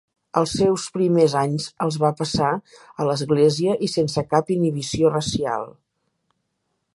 Els seus primers anys els va passar a l'església i sense cap inhibició racial.